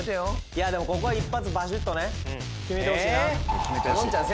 いやでもここは一発バシッとね決めてほしいなのんちゃん